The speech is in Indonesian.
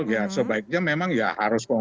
ya sebaiknya memang ya harus